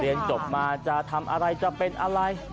เรียนจบมาจะทำอะไรจะเป็นอะไร